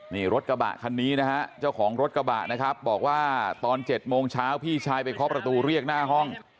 นี่รถกระบะคันนี้นะฮะเจ้าของรถกระบะนะครับบอกว่าตอน๗โมงเช้าพี่ชายไปเคาะประตูเรียกหน้าห้อง